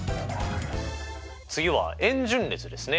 次は円順列ですね。